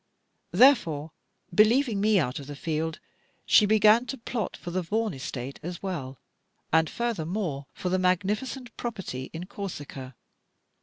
Therefore, believing me out of the field, she began to plot for the Vaughan estate as well, and furthermore for the magnificent property in Corsica.